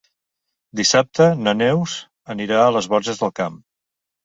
Dissabte na Neus anirà a les Borges del Camp.